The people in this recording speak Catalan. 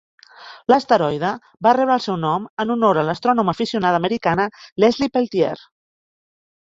L'asteroide va rebre el seu nom en honor a l'astrònoma aficionada americana Leslie Peltier.